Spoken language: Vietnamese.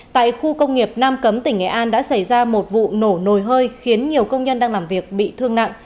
tại khu công nghiệp nam cấm tỉnh nghệ an đã xảy ra một vụ nổ nồi hơi khiến nhiều công nhân đang làm việc bị thương nặng